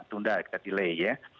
tunda kita delay ya